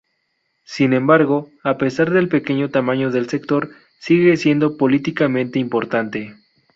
Sin embargo, a pesar del pequeño tamaño del sector, sigue siendo políticamente importante.